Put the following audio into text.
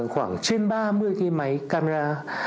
khoảng trên ba mươi cái máy camera